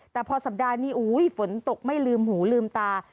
แต่พอสัปดาห์นี้ฝนตกไม่ลืมหูลืมตา